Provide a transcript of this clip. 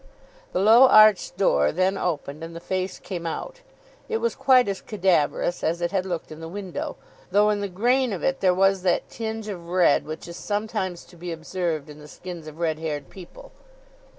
The low arched door then opened, and the face came out. It was quite as cadaverous as it had looked in the window, though in the grain of it there was that tinge of red which is sometimes to be observed in the skins of red haired people.